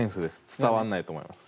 伝わんないと思います